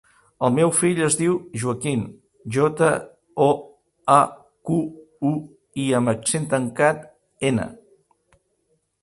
El meu fill es diu Joaquín: jota, o, a, cu, u, i amb accent tancat, ena.